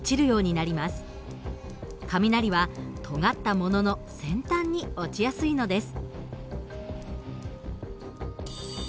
雷はとがったものの先端に落ちやすいのです。